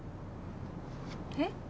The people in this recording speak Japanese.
えっ？